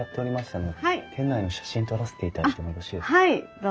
どうぞ。